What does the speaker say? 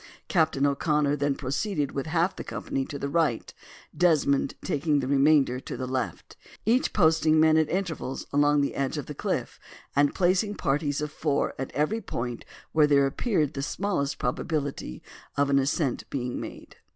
Captain O'Connor then proceeded with half the company to the right, Desmond taking the remainder to the left; each posting men at intervals along the edge of the cliff, and placing parties of four at every point where there appeared the smallest probability of an ascent being made.